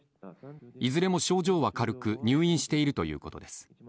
いずれも症状は軽く、入院しているということです。